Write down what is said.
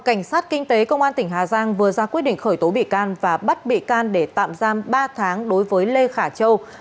cảnh sát kinh tế công an tỉnh hà giang vừa ra quyết định khởi tố bị can và bắt bị can để tạm giam ba tháng đối với lê khả châu